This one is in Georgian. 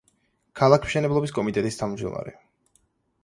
ქალაქმშენებლობის კომიტეტის თავმჯდომარე.